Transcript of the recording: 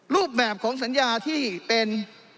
รูปแบบของสัญญาที่เป็น